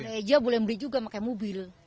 boleh aja boleh beli juga pakai mobil